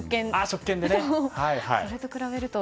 それと比べると。